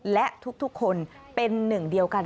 และทุกคนเป็นหนึ่งเดียวกัน